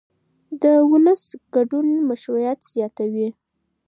د ولس ګډون مشروعیت زیاتوي